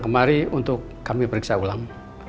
kemari untuk kami periksa ulang